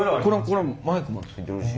これマイクもついてるし。